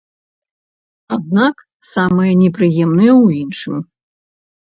Аднак самае непрыемнае ў іншым.